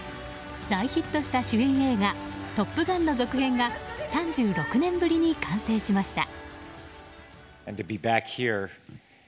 大ヒットした主演映画「トップガン」の続編が３６年ぶりに完成しました。